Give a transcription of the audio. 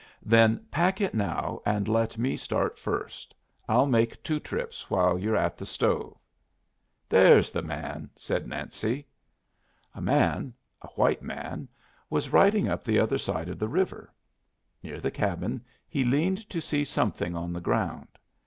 "Then pack it now and let me start first. I'll make two trips while you're at the stove." "There's the man!" said Nancy. A man a white man was riding up the other side of the river. Near the cabin he leaned to see something on the ground.